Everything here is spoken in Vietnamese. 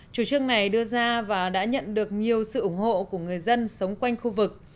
chủ trương này đưa ra và đã nhận được nhiều sự ủng hộ của người dân sống quanh khu vực